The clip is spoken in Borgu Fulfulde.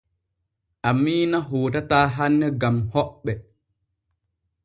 Amiina hootataa hanne gam hoɓɓe.